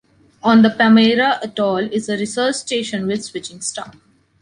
On the Palmyra-Atoll is a research station with switching staff.